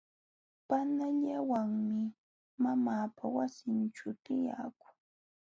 Panallawanmi mamaapa wasinćhuu tiyakuu.